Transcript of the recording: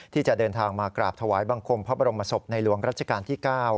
ที่จะเดินทางมากราบถวายบังคมพระบรมศพในหลวงรัชกาลที่๙